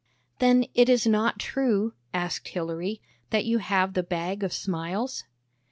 " Then it is not true," asked Hilary, " that you have the Bag of Smiles?